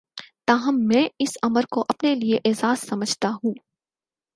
تاہم میں اس امر کو اپنے لیے اعزا ز سمجھتا ہوں